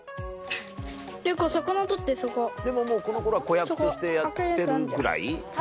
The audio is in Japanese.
でももうこの頃は子役としてやってるぐらい？